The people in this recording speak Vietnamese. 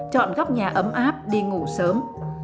chọn góc nhà ấm áp đi ngủ sớm